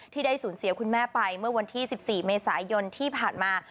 ที่ได้สูญเสียคุณแม่ไปเมื่อวันที่๑๔เมษายนที่ผ่านมา